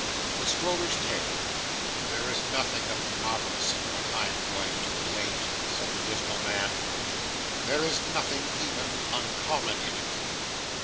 THE STROLLER'S TALE 'There is nothing of the marvellous in what I am going to relate,' said the dismal man; 'there is nothing even uncommon in it.